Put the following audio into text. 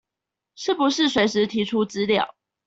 是不是隨時提出資料